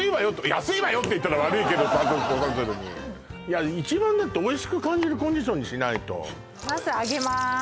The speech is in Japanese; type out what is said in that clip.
安いわよって言ったら悪いけど土佐鶴にいや一番だっておいしく感じるコンディションにしないとナス揚げます